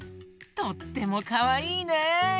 とってもかわいいね！